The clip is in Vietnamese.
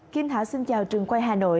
kim thảo xin chào trường quay hà nội